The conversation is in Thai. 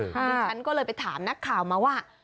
ดิฉันก็เลยไปถามนักข่าวมาว่า